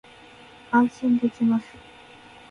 安心できます